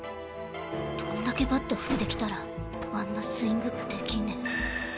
どんだけバット振ってきたらあんなスイングができんねん。